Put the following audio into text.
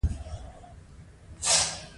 دا کرامت، برابري او ازادي ده.